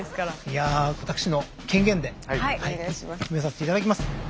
いやあ私の権限で決めさせていただきます。